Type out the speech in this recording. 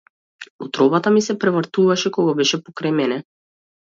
Утробата ми се превртуваше кога беше покрај мене.